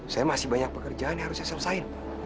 saya masih banyak pekerjaan yang harus saya selesai